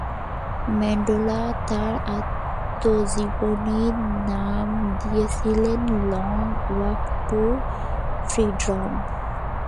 Mandela তাঁর আত্মজীবনীর নাম দিয়েছিলেন লং ওয়াক টু ফ্রিডম ।